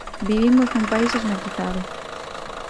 Vivimos nun país esnaquizado.